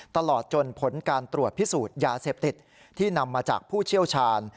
ตลอดจนผลการตรวจพิสูจน์ยาเสพติดที่นำมาจากผู้เชี่ยวชาญ